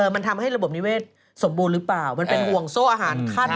มันทำให้ระบบนิเวศสมบูรณ์หรือเปล่ามันเป็นห่วงโซ่อาหารขั้น